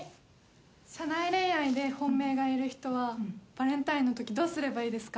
社内恋愛で本命がいる人はバレンタインの時どうすればいいですか？